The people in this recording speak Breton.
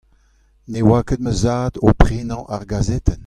Ne oa ket ma zad o prenañ ar gazetenn.